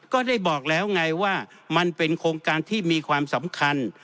ก็ได้บอกแล้วไงว่ามันเป็นโครงการที่มีความสำคัญ